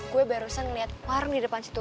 gue barusan liat parung di depan situ